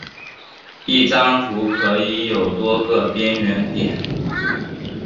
一张图可以有多个边缘点。